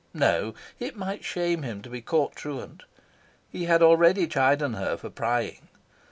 No, it might shame him to be caught truant. He had already chidden her for prying.